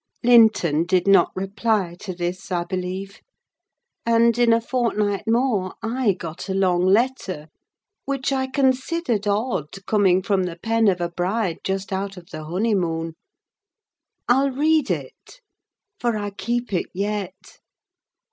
Linton did not reply to this, I believe; and, in a fortnight more, I got a long letter, which I considered odd, coming from the pen of a bride just out of the honeymoon. I'll read it: for I keep it yet.